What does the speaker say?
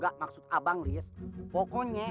gak maksud abang elis pokoknya